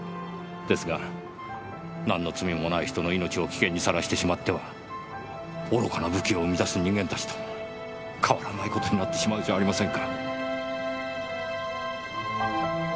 ですが何の罪もない人の命を危険に晒してしまっては愚かな武器を生み出す人間たちと変わらない事になってしまうじゃありませんか。